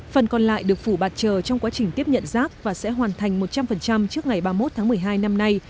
phần còn lại được phủ bạt trờ trong quá trình tiếp nhận rác và sẽ hoàn thành một trăm linh trước ngày ba mươi một tháng một mươi hai năm nay